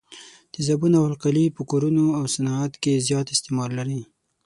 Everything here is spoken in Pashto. تیزابونه او القلي په کورونو او صنعت کې زیات استعمال لري.